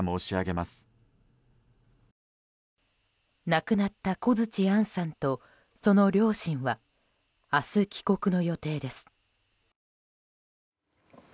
亡くなった小槌杏さんとその両親は明日、帰国の予定です。